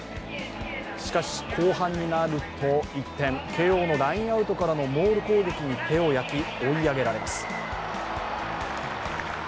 しかし、後半になると、一転、慶応のラインアウトからのモール攻撃に手を焼き追い上げられます。